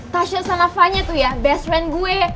tasya sama fanya tuh ya best friend gue